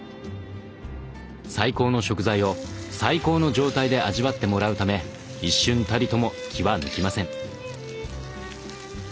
最高の食材を最高の状態で味わってもらうため一瞬たりとも気は抜きません。